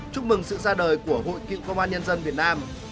chúc mừng sự ra đời của hội cựu công an nhân dân việt nam